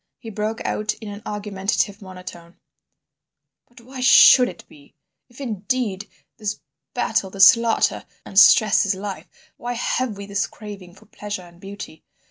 He broke out in an argumentative monotone: "But why should it be? If, indeed, this battle, this slaughter and stress is life, why have we this craving for pleasure and beauty?